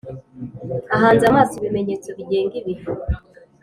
ahanze amaso ibimenyetso bigenga ibihe.